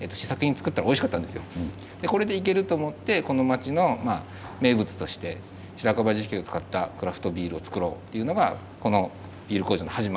これでいけると思ってこの町の名物として白樺樹液を使ったクラフトビールを造ろうというのがこのビール工場の始まりでもあります。